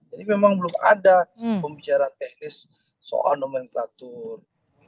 jadi memang belum ada pembicara teknis soal nomenklatur